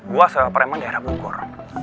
gua sepereman daerah bogor